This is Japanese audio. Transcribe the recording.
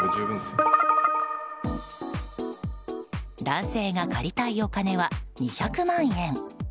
男性が借りたいお金は２００万円。